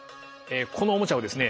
このおもちゃをですね